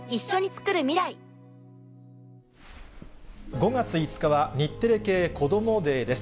５月５日は日テレ系こどもｄａｙです。